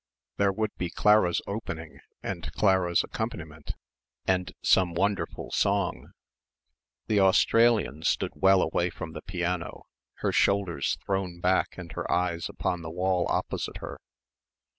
There would be Clara's opening and Clara's accompaniment and some wonderful song. The Australian stood well away from the piano, her shoulders thrown back and her eyes upon the wall opposite her.